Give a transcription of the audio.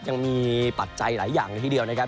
ตัวแรกไม่ได้ไว้นึกอ่ะที่เดียวนะครับ